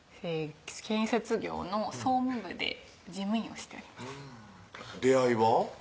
建設業の総務部で事務員をしております出会いは？